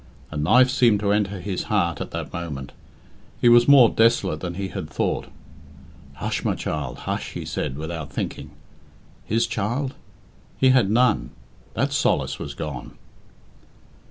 A knife seemed to enter his heart at that moment. He was more desolate than he had thought. "Hush, my child, hush!" he said, without thinking. His child? He had none. That solace was gone.